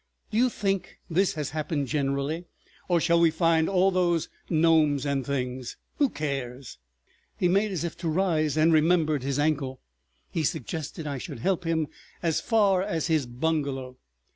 ... Do you think this has happened—generally? Or shall we find all these gnomes and things? ... Who cares?" He made as if to rise, and remembered his ankle. He suggested I should help him as far as his bungalow.